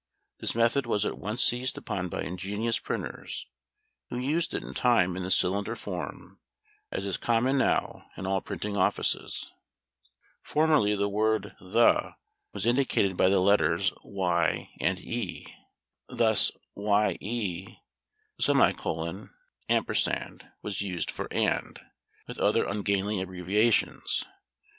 This method was at once seized upon by ingenious printers, who used it in time in the cylinder form, as is common now in all printing offices. Formerly, the word the was indicated by the letters y and e, thus y^e; & was used for and; with other ungainly abbreviations.